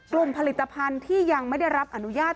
กลุ่มผลิตภัณฑ์ที่ยังไม่ได้รับอนุญาต